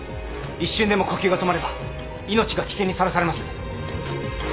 一瞬でも呼吸が止まれば命が危険にさらされます。